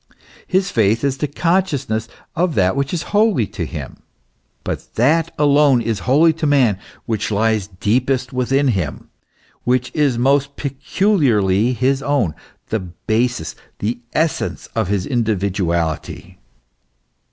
His faith is the consciousness of that which is holy to him ; but that alone is holy to man which lies deepest within him, which is most peculiarly his own, the basis, the essence of his individuality.